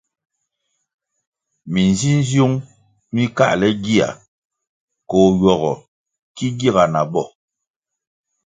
Minzinziung mi káhle gia koh ywogo ki giga na bo.